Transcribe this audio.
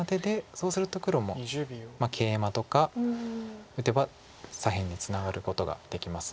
そうすると黒もケイマとか打てば左辺にツナがることができます。